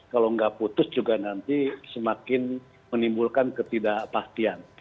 kalau nggak putus juga nanti semakin menimbulkan ketidakpastian